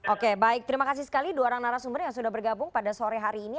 oke baik terima kasih sekali dua orang narasumber yang sudah bergabung pada sore hari ini